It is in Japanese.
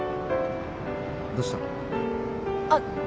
どうしたの？